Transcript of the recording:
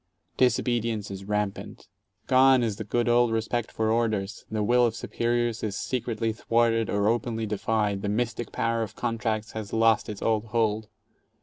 Disobedience is rampant. 11 ^one is the good old respect for orders, the will of superiors is secretly thwarted or openly defied, the mystic power of contracts has lost its old hold.